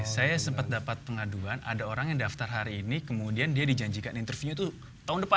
saya sempat dapat pengaduan ada orang yang daftar hari ini kemudian dia dijanjikan interview itu tahun depan